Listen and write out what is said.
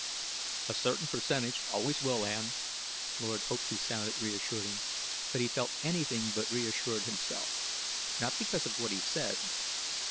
"A certain percentage always will, Ann." Lord hoped he sounded reassuring, but he felt anything but reassured himself. Not because of what she said.